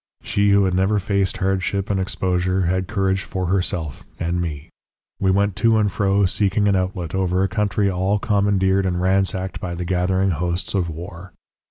She who had never faced hardship and exposure had courage for herself and me. We went to and fro seeking an outlet, over a country all commandeered and ransacked by the gathering hosts of war.